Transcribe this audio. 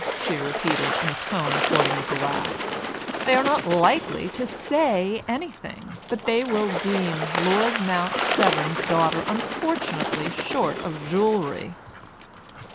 '" she repeated, in a tone according with the laugh. "They are not likely to 'say anything,' but they will deem Lord Mount Severn's daughter unfortunately short of jewellery."